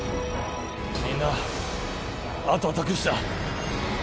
みんな、あとは託した。